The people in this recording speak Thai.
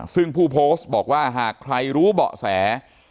ซึ่งผู้โพสต์บอกว่าหากใครรู้เบาะแส